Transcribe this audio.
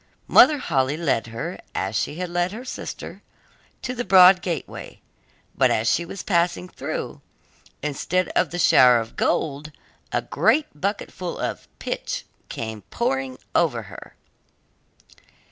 Mother Holle led her, as she had led her sister, to the broad gateway; but as she was passing through, instead of the shower of gold, a great bucketful of pitch came pouring over her.